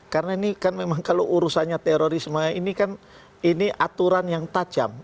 karena ini kan memang kalau urusannya terorisme ini kan aturan yang tajam